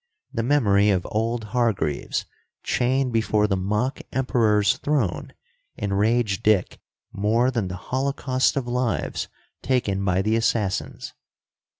The memory of old Hargreaves, chained before the mock Emperor's throne, enraged Dick more than the holocaust of lives taken by the assassins.